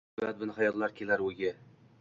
Ne badbin xayollar kelar o’yiga